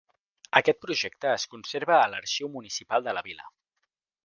Aquest projecte es conserva a l'arxiu municipal de la vila.